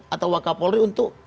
atau wak kapolri untuk